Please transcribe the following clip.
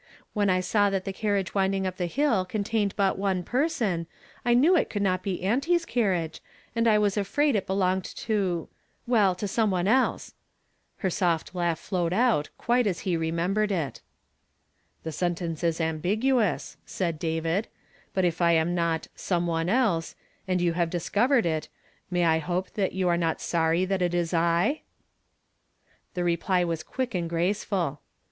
When I saw that the carriage windnig up the hill contained hut one pcraon, I knew it could not be auntie's carriage, and I was afraid it belonged to — well, to some one else." Her soft laugh flowed out, quite as lie remembered it. " The sentence is anibicruous," said David ;" but if I am not 'some one else,' and you have discovered it, may I hope you are not sorry that it is I ?" The reply was quick and graceful.